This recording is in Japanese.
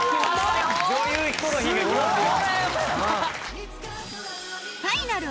女優ヒコロヒーがきますよ。